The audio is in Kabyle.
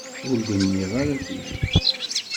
Ur d-nniɣ ara tidet.